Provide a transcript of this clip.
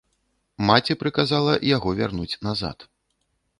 Маці прыказала яго вярнуць назад.